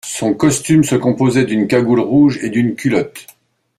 Son costume se composait d'une cagoule rouge et d'une culotte.